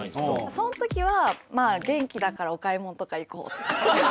そのときはまあ元気だからお買い物とか行こうって。